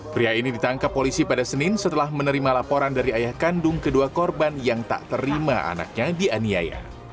pria ini ditangkap polisi pada senin setelah menerima laporan dari ayah kandung kedua korban yang tak terima anaknya dianiaya